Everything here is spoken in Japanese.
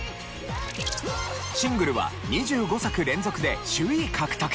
シングルは２５作連続で首位獲得。